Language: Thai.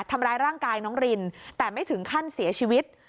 ทำร้ายร่างกายน้องรินแต่ไม่ถึงขั้นเสียชีวิต